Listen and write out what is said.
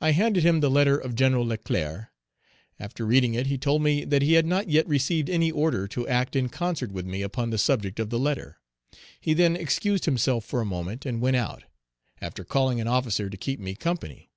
I handed him the letter of Gen. Leclerc. After reading it, he told me that he had not yet received any order to act in concert with me upon the subject of the letter; he then excused himself for a moment, and went out, after calling an officer to keep me company.